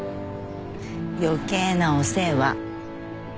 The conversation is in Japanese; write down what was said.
余計なお世話。